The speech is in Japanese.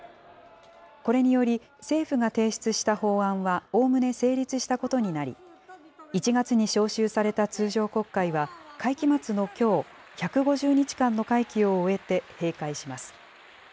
これにより、政府が提出した法案はおおむね成立したことになり、１月に召集された通常国会は、会期末のきょう、１５０日間の会期を終えて閉会します。